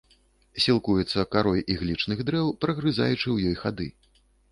Сілкуецца карой іглічных дрэў, прагрызаючы ў ёй хады.